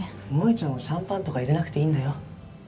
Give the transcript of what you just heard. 萌ちゃんはシャンパンとか入れなくていいんだよ。